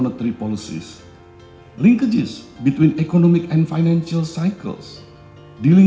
pertama perbedaan antara kabel ekonomi dan kebijakan kebijakan